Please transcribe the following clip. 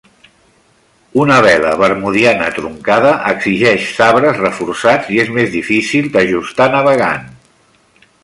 Una vela bermudiana truncada exigeix sabres reforçats i és més difícil d'ajustar navegant.